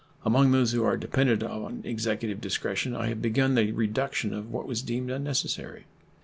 Among those who are dependent on Executive discretion I have begun the reduction of what was deemed unnecessary.